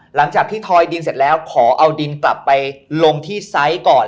หลังจากที่ทอยดินเสร็จแล้วขอเอาดินกลับไปลงที่ไซส์ก่อน